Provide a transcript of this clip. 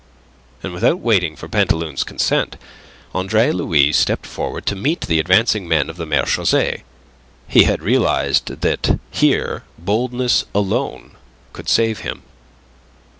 And without waiting for Pantaloon's consent, Andre Louis stepped forward to meet the advancing men of the marechaussee. He had realized that here boldness alone could save him.